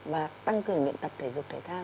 và tăng cường điện tập thể dục thể thao